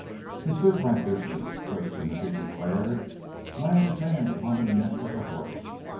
"This is my business," Sir Timothy declared, laying his hand upon the neck of the horse.